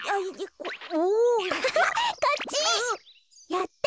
やった！